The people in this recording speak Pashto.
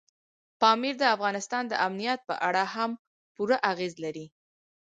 پامیر د افغانستان د امنیت په اړه هم پوره اغېز لري.